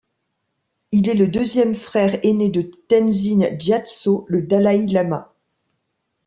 Il est le deuxième frère aîné de Tenzin Gyatso, le dalaï-lama.